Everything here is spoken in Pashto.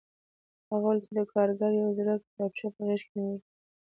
هغه ولیدل چې کارګر یوه زړه کتابچه په غېږ کې نیولې